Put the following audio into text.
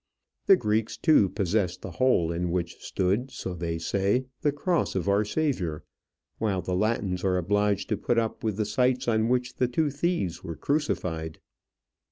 The Greeks, too, possess the hole in which stood so they say the cross of Our Saviour; while the Latins are obliged to put up with the sites on which the two thieves were crucified.